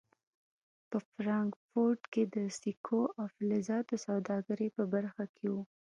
په فرانکفورټ کې د سکو او فلزاتو سوداګرۍ په برخه کې و.